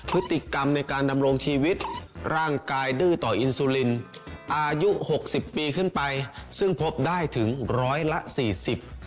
พฤติกรรมในการดำรงชีวิตร่างกายดื้อต่ออินซูลินอายุหกสิบปีขึ้นไปซึ่งพบได้ถึงร้อยละสี่สิบ